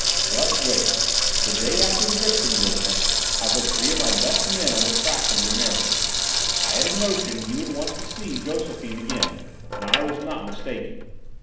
"Just wait! The day after the Dixon business, I put three of my best men on the track of the American. I had a notion he would want to see Josephine again, and I was not mistaken.